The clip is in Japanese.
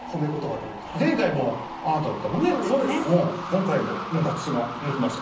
今回もわたくしが行ってきました。